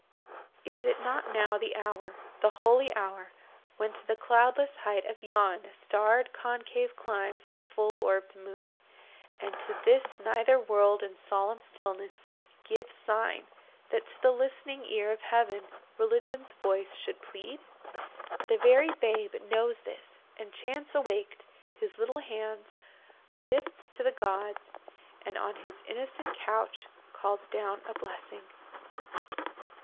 Is it not now the hour, The holy hour, when to the cloudless height Of yon starred concave climbs the full orbed moon, And to this nether world in solemn stillness, Gives sign, that, to the list'ning ear of Heaven Religion's voice should plead? The very babe Knows this, and, chance awak'd, his little hands Lifts to the gods, and on his innocent couch Calls down a blessing.